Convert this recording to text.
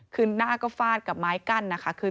คือหน้าก็ฟาดกับไม้กั้นนะคะคือ